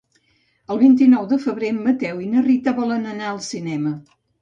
El vint-i-nou de febrer en Mateu i na Rita volen anar al cinema.